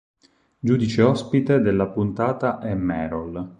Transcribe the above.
Giudice ospite della puntata è Merol.